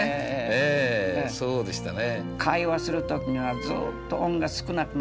ええそうでしたね。